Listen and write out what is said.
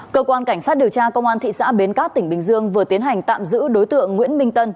cơ quan cảnh sát điều tra công an thị xã bến cát tỉnh bình dương vừa tiến hành tạm giữ đối tượng nguyễn minh tân